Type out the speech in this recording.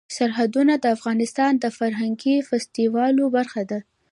سرحدونه د افغانستان د فرهنګي فستیوالونو برخه ده.